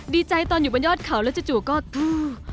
ดีใจตอนอยู่บนยอดเขาแล้วจิาจูก็เท้า